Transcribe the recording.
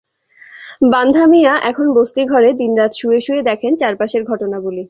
বাক্কা মিয়া এখন বস্তি ঘরে দিন-রাত শুয়ে শুয়ে দেখেন চারপাশের ঘটনাবলি।